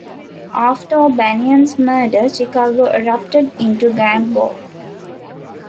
After O'Banion's murder, Chicago erupted into gang war.